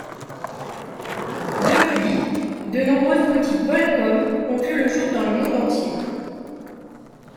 Depuis, de nombreuses boutiques Volcom ont vu le jour dans le monde entier.